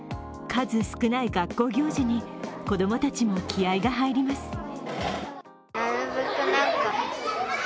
数少ない学校行事に子供たちも気合いが入ります。